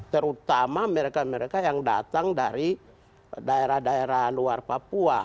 terutama mereka mereka yang datang dari daerah daerah luar papua